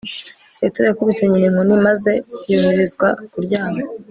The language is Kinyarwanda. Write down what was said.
petero yakubise nyina inkoni maze yoherezwa kuryama